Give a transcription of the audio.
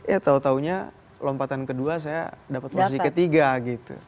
eh tahu tahunya lompatan kedua saya dapat pundi ketiga gitu